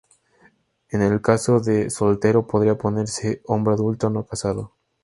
En el caso de "soltero" podría ponerse "hombre adulto no casado".